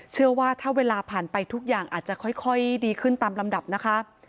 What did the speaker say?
เชื่อว่าถ้าเวลาผ่านไปทุกอย่างอาจจะค่อยดีขึ้นตามลำดับนะคะ